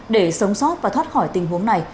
để sống sót và thoát khỏi tình huống này